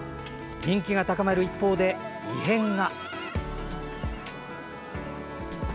人気が高まる一方で異変が。